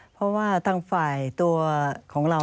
เพราะว่าทางฝ่ายตัวของเรา